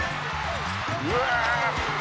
「うわ！」